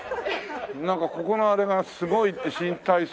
なんかここのあれがすごいって新体操部の。